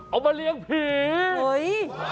เอามาเลี้ยงผี